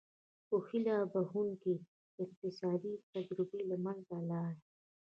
خو هیله بښوونکې اقتصادي تجربې له منځه لاړې.